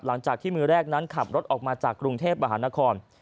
หลังจากที่มือแรกนั้นขับรถออกมาจากกรุงเทพมหานคร